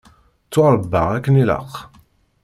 Ttwaṛebbaɣ akken ilaq.